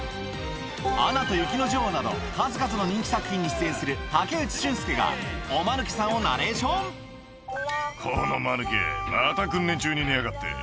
『アナと雪の女王』など数々の人気作品に出演する武内駿輔がおマヌケさんをナレーション「このマヌケまた訓練中に寝やがって」